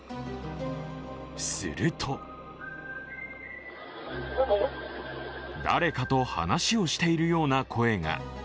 すると誰かと話をしているような声が。